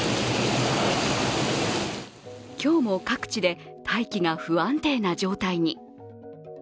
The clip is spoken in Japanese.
今日も各地で大気が不安定な状態に。